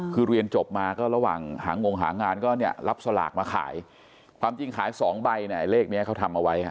คือเรียนจบมาก็ระหว่างหางงหางานก็เนี่ยรับสลากมาขายความจริงขายสองใบเนี่ยเลขนี้เขาทำเอาไว้